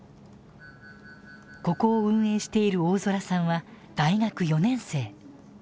ここを運営している大空さんは大学４年生。